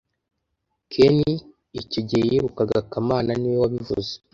Ken icyo gihe yirukaga kamana niwe wabivuze